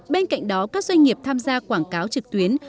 bên cạnh đó các doanh nghiệp tham gia quảng cáo trực tuyến